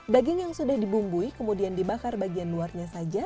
daging yang sudah dibumbui kemudian dibakar bagian luarnya saja